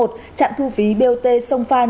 trạm thu phí bot sông phan